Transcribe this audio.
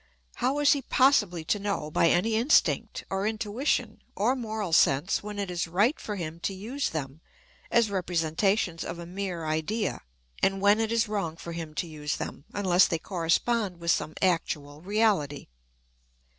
How is he possibly to know, by any instinct, or intuition, or moral sense when it is right for him to use them as representations of a mere idea, and when it is wrong for him to use them, unless they correspond with some actual reality?